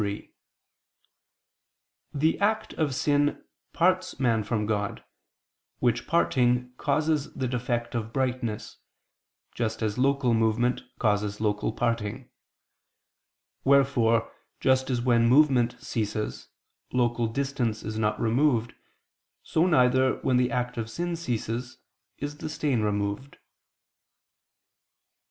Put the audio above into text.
3: The act of sin parts man from God, which parting causes the defect of brightness, just as local movement causes local parting. Wherefore, just as when movement ceases, local distance is not removed, so neither, when the act of sin ceases, is the stain removed.